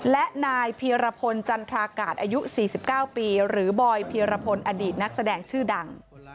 และนายเพียรพลจันทรากาศอายุ๔๙ปีหรือบอยพีรพลอดีตนักแสดงชื่อดัง